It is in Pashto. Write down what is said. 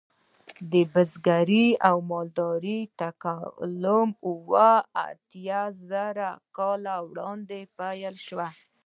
د بزګرۍ او مالدارۍ تکامل اوه یا اته زره کاله وړاندې پیل شو.